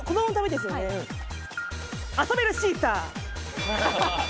遊べるシーサー。